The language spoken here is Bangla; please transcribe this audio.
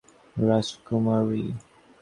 বেশ, এই যে তোমাদের মহামূল্যবান রাজকুমারী।